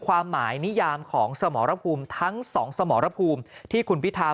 ความหมายนิยามของสมรภูมิทั้งสองสมรภูมิที่คุณพิธา